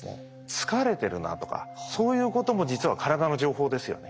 疲れてるなとかそういうことも実は体の情報ですよね。